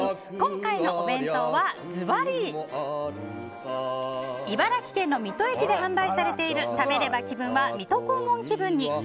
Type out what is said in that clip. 今回のお弁当はずばり茨城県の水戸駅で販売されている食べれば、気分は水戸黄門気分に。